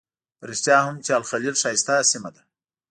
په رښتیا هم چې الخلیل ښایسته سیمه ده.